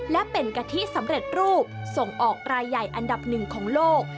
และเป็นกะทิสำเร็จรูปส่งออกรายใหญ่อันดับหนึ่งของโลก